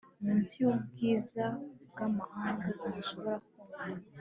Munsi yubwiza bwamahanga ntashobora kumva